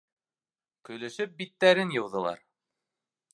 Көлөшөп биттәрен йыуҙылар.